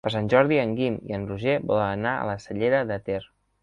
Per Sant Jordi en Guim i en Roger volen anar a la Cellera de Ter.